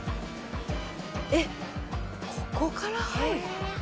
えっここから入る？